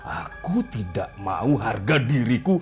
aku tidak mau harga diriku